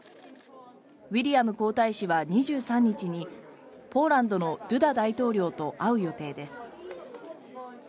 ウィリアム皇太子は２３日にポーランドのドゥダ大統領と会う予定です。